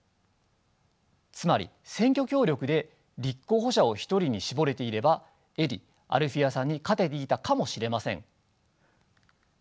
つまり選挙協力で立候補者を１人に絞れていれば英利アルフィヤさんに勝てていたかもしれません。